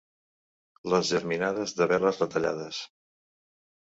Les geminades de veles retallades.